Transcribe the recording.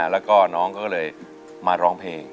แล้วก็น้องก็เลยมาร้องเพลง